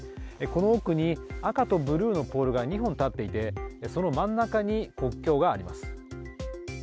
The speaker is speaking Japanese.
この奥に、赤とブルーのポールが２本立っていて、その真ん中に国境がありま